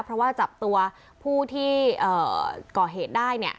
เพราะว่าจับตัวผู้ที่ก่อเหตุได้เนี่ย